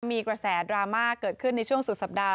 มีกระแสดราม่าเกิดขึ้นในช่วงสุดสัปดาห